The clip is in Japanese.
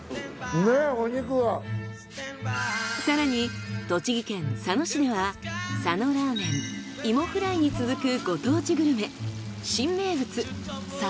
更に栃木県佐野市では佐野ラーメンいもフライに続くご当地グルメ。